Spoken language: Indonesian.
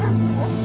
aku mau ke rumah